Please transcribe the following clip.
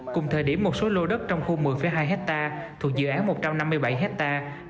cùng thời điểm một số lô đất trong khu một mươi hai hectare thuộc dự án một trăm năm mươi bảy hectare